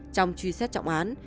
trong truy xét trọng án